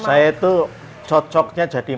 saya itu cocoknya jadi